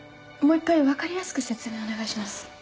もう一回分かりやすく説明をお願いします。